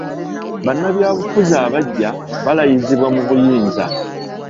Bannabyabufuzi abaggya balayizibwa mu buyinza.